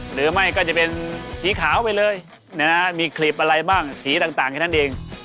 หรือไม่ก็จะเป็นสีขาวไปเลยมีคลีบอะไรบ้างสีต่างแค่นั้นเอง